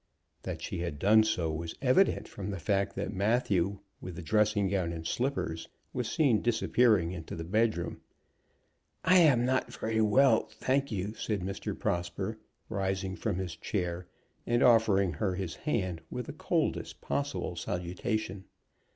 That she had done so was evident, from the fact that Matthew, with the dressing gown and slippers, was seen disappearing into the bedroom. "I am not very well, thank you," said Mr. Prosper, rising from his chair, and offering her his hand with the coldest possible salutation.